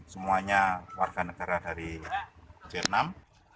semuanya warga negara dari vietnam